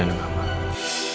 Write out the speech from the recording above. bagaimana kalau aku mencintai riri